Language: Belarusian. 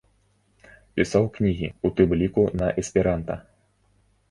Пісаў кнігі, у тым ліку на эсперанта.